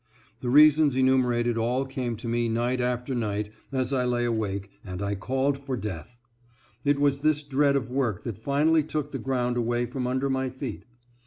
The reasons enumerated all came to me night after night as I lay awake, and I called for death .... it was this dread of work that finally took the ground away from under my feet.